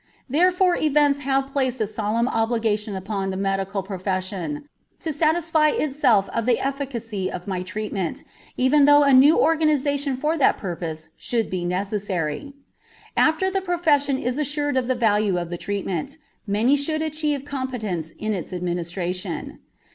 Therefore events have placed a solemn obligation upon the medical profession to satisfy itself of the efficacy of my treatment, even though a new organization for that purpose should be necessary. After the profession is assured of the value of the treatment, many should achieve competence in its administration.